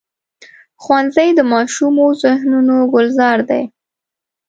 ښوونځی د ماشومو ذهنونو ګلزار دی